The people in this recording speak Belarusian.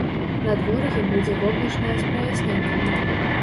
Надвор'е будзе воблачнае з праясненнямі.